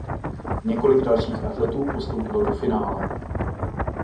Několik dalších atletů postoupilo do finále.